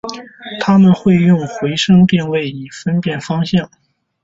它们会用回声定位以分辨方向。